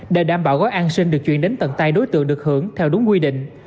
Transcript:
để đảm bảo gói an sinh được chuyển đến tận tay đối tượng được hưởng theo đúng quy định